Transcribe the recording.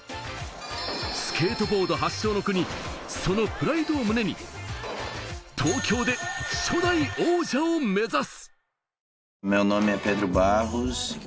スケートボード発祥の国、そのプライドを胸に、東京で初代王者を目指す。